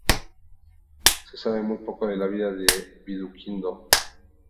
Se sabe muy poco de la vida de Viduquindo.